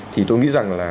thì tôi nghĩ rằng là